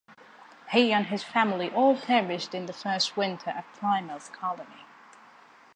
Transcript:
He and his family all perished in the first winter at Plymouth Colony.